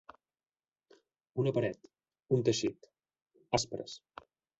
Una paret, un teixit, aspres.